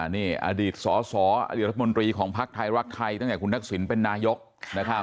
นี่อดีตสอสออดีตรัฐมนตรีของภักดิ์ไทยรักไทยตั้งแต่คุณทักษิณเป็นนายกนะครับ